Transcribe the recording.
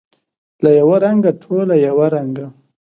له یوه رنګه، ټوله یو رنګه